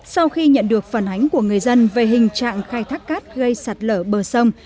sau khi nhận được phản ánh của người dân về hình trạng khai thác cát gây sạt lở bờ sông